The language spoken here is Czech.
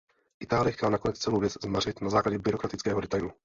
Itálie chtěla nakonec celou věc zmařit na základě byrokratického detailu.